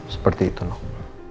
seperti itu ndalo